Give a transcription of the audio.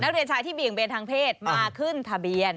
นักเรียนชายที่เบี่ยงเบนทางเพศมาขึ้นทะเบียน